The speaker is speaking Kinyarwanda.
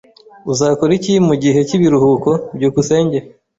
Uzakora iki mugihe cyibiruhuko? byukusenge